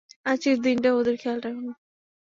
আজকের দিনটা ওদের খেয়াল রাখুন।